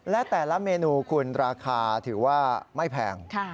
และแต่ละเมนูคุณราคาถือว่าไม่แพง